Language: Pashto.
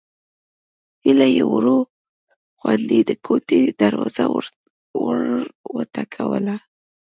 هيلې يې ورو غوندې د کوټې دروازه وروټکوله